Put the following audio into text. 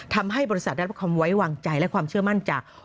ทำให้บริษัทได้รับความไว้วางใจและความเชื่อมั่นจาก